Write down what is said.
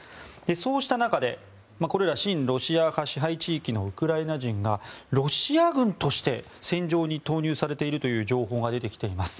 そうした中でこれら親ロシア派支配地域のウクライナ人がロシア軍として戦場に投入されているという情報が出てきています。